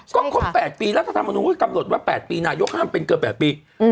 ก็ครบ๘ปีรัฐธรรมนุนกำหนดว่า๘ปีนายกห้ามเป็นเกือบ๘ปี